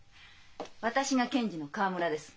私が検事の河村です。